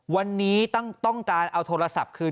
วันนี้ต้องการเอาโทรศัพท์คืน